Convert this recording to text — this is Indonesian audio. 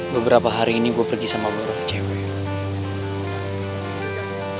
beberapa hari ini gue pergi sama beberapa cewek